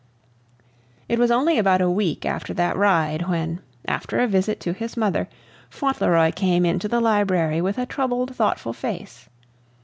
It was only about a week after that ride when, after a visit to his mother, Fauntleroy came into the library with a troubled, thoughtful face.